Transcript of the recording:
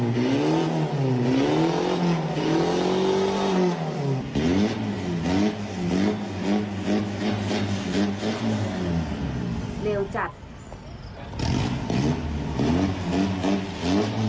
เดี๋ยวจัด